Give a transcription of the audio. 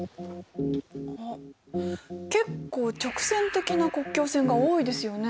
結構直線的な国境線が多いですよね。